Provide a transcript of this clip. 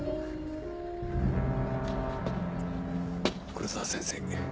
黒沢先生。